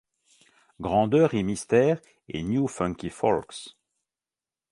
Grandeur et Mystères et New Funky Folks.